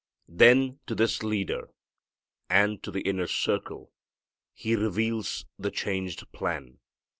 Then to this leader and to the inner circle, He reveals the changed plan.